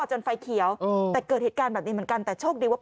จนไฟเขียวแต่เกิดเหตุการณ์แบบนี้เหมือนกันแต่โชคดีว่า